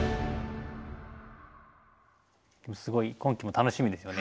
すごい今期も楽しみですよね。